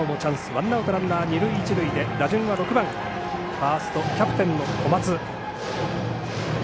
ワンアウトランナー、二塁一塁で打順は６番、ファーストキャプテンの小松。